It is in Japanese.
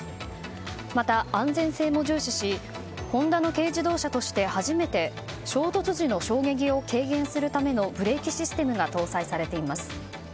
また安全性も重視しホンダの軽自動車として初めて衝突時の衝撃を軽減するためのブレーキシステムが搭載されています。